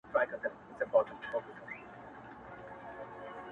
• د سپوږمۍ کلي ته نه ورځي وګړي ,